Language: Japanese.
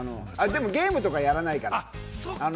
でもゲームとかやらないから。